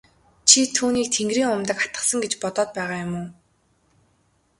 Чи түүнийг тэнгэрийн умдаг атгасан гэж бодоод байгаа юм уу?